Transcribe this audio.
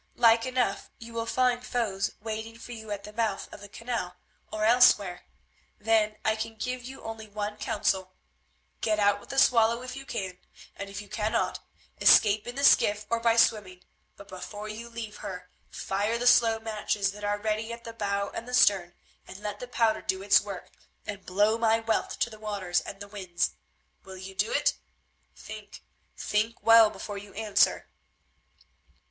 Like enough you will find foes waiting for you at the mouth of the canal, or elsewhere. Then I can give you only one counsel—get out with the Swallow if you can, and if you cannot, escape in the skiff or by swimming, but before you leave her fire the slow matches that are ready at the bow and the stern, and let the powder do its work and blow my wealth to the waters and the winds. Will you do it? Think, think well before you answer."